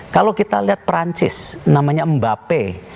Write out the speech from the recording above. kalau kita lihat perancis namanya mbape